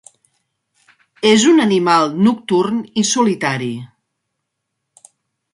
És un animal nocturn i solitari.